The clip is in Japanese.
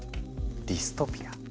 ディストピア？